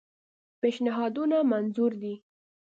پېشنهادونه منظور دي.